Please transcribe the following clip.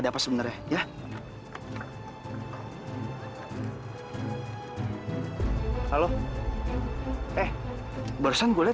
eh yaudah yaudah